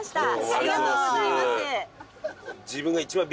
ありがとうございます。